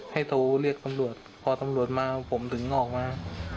โทรเรียกตำรวจพอตำรวจมาผมถึงออกมา